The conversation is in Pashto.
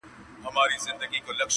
چي استاد وو پر تخته باندي لیکلی،